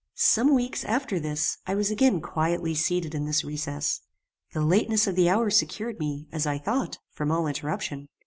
"Some weeks after this I was again quietly seated in this recess. The lateness of the hour secured me, as I thought, from all interruption.